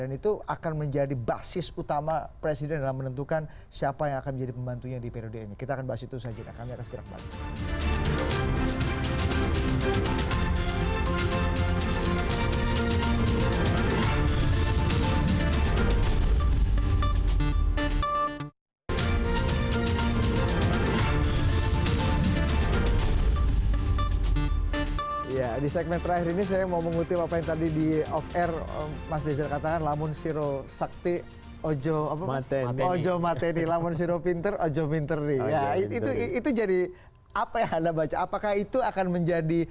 dan itu akan menjadi basis utama presiden dalam menentukan siapa yang akan menjadi pembantunya di periode ini